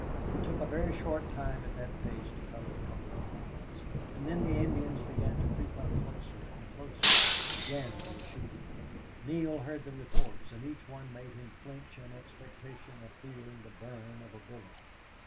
It took a very short time at that pace to cover a couple of miles. And then the Indians began to creep up closer and closer. Again they were shooting. Neale heard the reports and each one made him flinch in expectation of feeling the burn of a bullet.